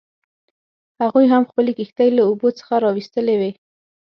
هغوی هم خپلې کښتۍ له اوبو څخه راویستلې وې.